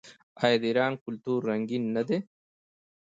آیا د ایران کلتور رنګین نه دی؟